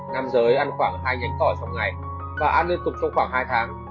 nam giới ăn khoảng hai nhánh tỏi phòng ngày và ăn liên tục trong khoảng hai tháng